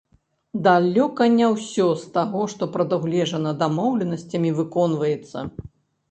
Далёка не ўсё з таго, што прадугледжана дамоўленасцямі, выконваецца.